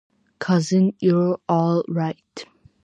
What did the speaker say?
Cousin, you're all right!